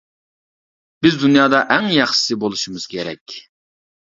بىز دۇنيادا ئەڭ ياخشىسى بولۇشىمىز كېرەك.